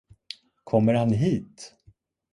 Kommer han hit!